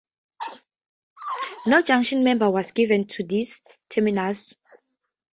No junction number was given to this terminus.